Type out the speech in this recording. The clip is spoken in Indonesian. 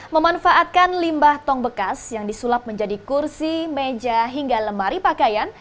memanfaatkan limbah tong bekas yang disulap menjadi kursi meja hingga lemari pakaian